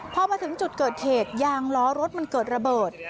พอมาถึงจุดเกิดเหตุยางล้อรถมันเกิดระเบิด